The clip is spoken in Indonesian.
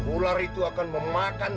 ular itu akan memakan